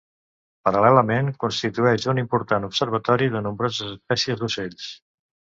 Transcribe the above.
Paral·lelament, constitueix un important observatori de nombroses espècies d'ocells.